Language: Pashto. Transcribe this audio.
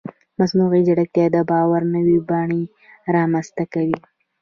مصنوعي ځیرکتیا د باور نوې بڼې رامنځته کوي.